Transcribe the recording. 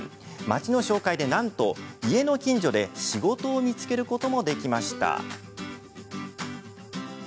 町の紹介で、なんと家の近所で仕事を見つけることもできました。